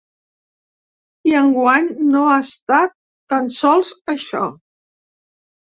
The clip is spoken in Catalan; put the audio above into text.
I enguany no ha estat tan sols això.